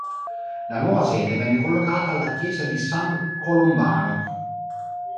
La nuova sede venne collocata alla chiesa di San Colombano.